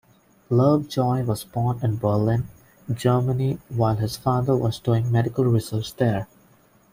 Lovejoy was born in Berlin, Germany while his father was doing medical research there.